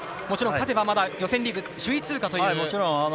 もちろん勝てば、まだ予選リーグ首位通過という。